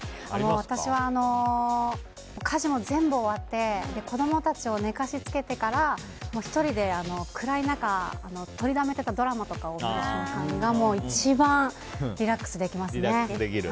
私は家事も全部終わって子供たちを寝かしつけてから１人で暗い中とりためてたドラマとかを見る瞬間が一番リラックスできますね。